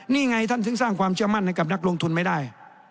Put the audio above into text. นี่ไงท่านถึงสร้างความเชื่อมั่นให้กับนักลงทุนไม่ได้